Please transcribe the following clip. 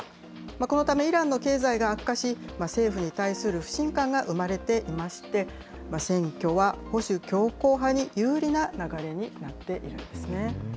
このためイランの経済が悪化し、政府に対する不信感が生まれていまして、選挙は保守強硬派に有利な流れになっているんですね。